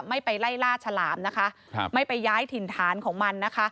ไม่ไปไล่ล่าฉลามนะคะครับไม่ไปย้ายถิ่นฐานของมันนะคะ